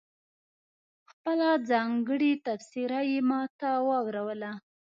خپله ځانګړې تبصره یې ماته واوروله.